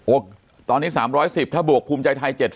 ตอนนี้๓๑๐ถ้าบวกภูมิใจไทย๗๐